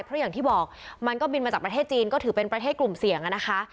เพราะอย่างที่บอกมันก็บินมาจากประเทศจีนก็ถือเป็นประเทศกลุ่มเสี่ยงนะคะ